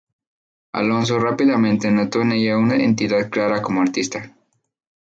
Alonso rápidamente notó en ella una identidad clara como artista.